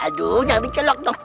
aduh jangan dicelok dong